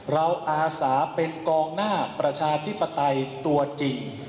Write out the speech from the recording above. อาสาเป็นกองหน้าประชาธิปไตยตัวจริง